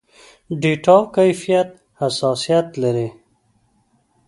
ډېټاوو کيفيت حساسيت لري.